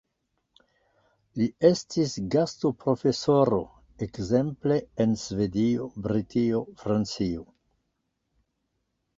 Li estis gastoprofesoro ekzemple en Svedio, Britio, Francio.